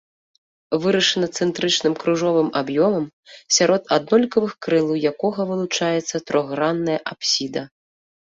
Вырашана цэнтрычным крыжовым аб'ёмам, сярод аднолькавых крылаў якога вылучаецца трохгранная апсіда.